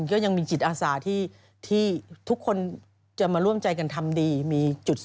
คือจิตอาสานี่ทำงานกันหนักมากจริง